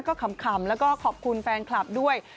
ก็ขำแล้วก็ขอบคุณแฟนคลับด้วย